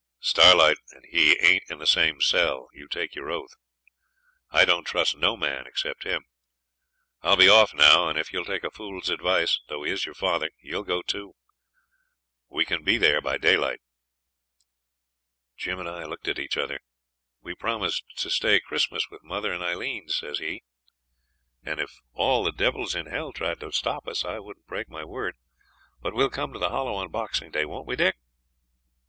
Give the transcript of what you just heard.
'Starlight and he ain't in the same cell, you take your oath. I don't trust no man except him. I'll be off now, and if you'll take a fool's advice, though he is your father, you'll go too; we can be there by daylight.' Jim and I looked at each other. 'We promised to stay Chris'mas with mother and Aileen,' says he, 'and if all the devils in hell tried to stop us, I wouldn't break my word. But we'll come to the Hollow on Boxing Day, won't we, Dick?'